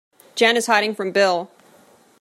Jen is hiding from Bill.